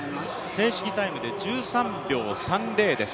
正式タイムで１３秒３０です。